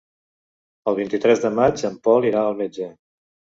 El vint-i-tres de maig en Pol irà al metge.